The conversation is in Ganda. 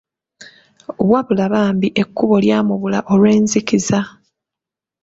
Wabula bambi ekkubo lya mubula olw'enzikiza.